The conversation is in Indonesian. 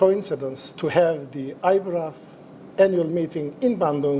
untuk memiliki mesyuarat anggota tim alam bandung